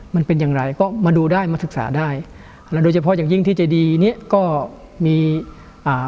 มันเป็นอย่างไรก็มาดูได้มาศึกษาได้แล้วโดยเฉพาะอย่างยิ่งที่เจดีเนี้ยก็มีอ่า